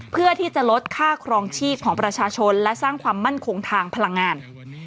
เพื่อที่จะลดค่าครองชีพของประชาชนและสร้างความมั่นคงทางพลังงาน